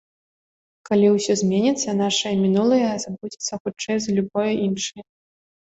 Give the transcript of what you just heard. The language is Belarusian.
Калі ўсё зменіцца, нашае мінулае забудзецца хутчэй за любое іншае.